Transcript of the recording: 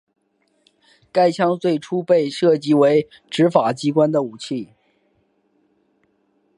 该枪最初被设计为执法机关的武器。